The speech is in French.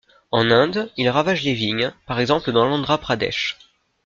En Inde il ravage les vignes, par exemple dans l'Andhra Pradesh.